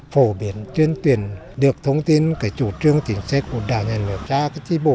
phổ biến tuyên tuyển được thông tin cái chủ trương tiến sách của đảng nhà nước ra cái chí bổ